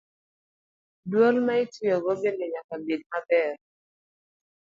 Dwol ma itiyogo bende nyaka bed maber.